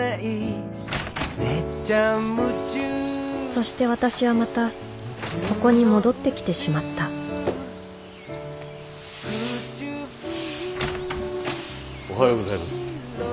そして私はまたここに戻ってきてしまったおはようございます。